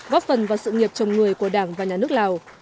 góp phần vào sự nghiệp chồng người của đảng và nhà nước lào